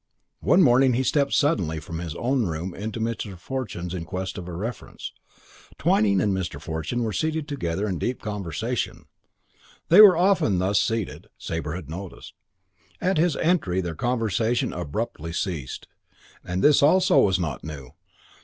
One morning he stepped suddenly from his own room into Mr. Fortune's in quest of a reference. Twyning and Mr. Fortune were seated together in deep conversation. They were very often thus seated, Sabre had noticed. At his entry their conversation abruptly ceased; and this also was not new.